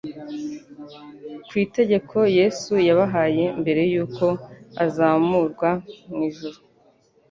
Ku itegeko Yesu yabahaye mbere y'uko azamlu-wa mu ijuru,